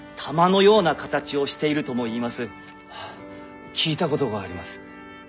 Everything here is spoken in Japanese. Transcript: あ聞いたことがあります。